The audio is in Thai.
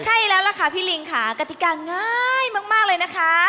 ใช่แล้วล่ะค่ะพี่ลิงค่ะกติกาง่ายมากเลยนะคะ